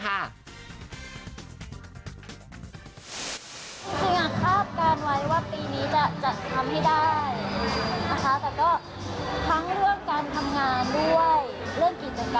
ฟังทั้งหมดเลยค่ะ